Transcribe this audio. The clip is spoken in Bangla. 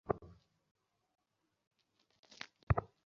ব্ল্যাটার অবশ্য মনে করেন তাঁর সরে যাওয়া ফিফার সংস্কার প্রক্রিয়াকে থমকে দেবে।